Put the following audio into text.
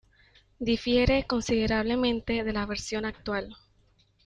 Difiere considerablemente de la versión actual.